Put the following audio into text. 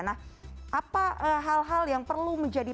nah apa hal hal yang perlu menjadi